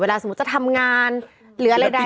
เวลาสมมุติจะทำงานหรืออะไรได้อ่ะ